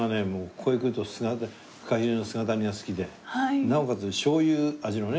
ここへ来るとフカヒレの姿煮が好きでなおかつ醤油味のね